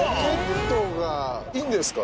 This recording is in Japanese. いいんですか？